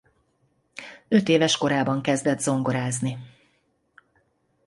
Ötéves korában kezdett zongorázni.